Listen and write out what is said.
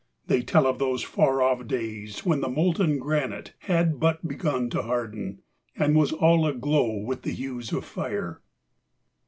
They tell of those far off days when the molten granite had but begun to harden, and was all aglow with the hues of fire.